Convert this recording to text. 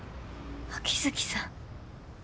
秋月さん。